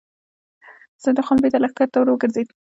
سيدال خان بېرته لښکر ته ور وګرځېد.